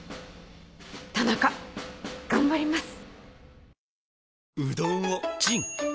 田中頑張ります！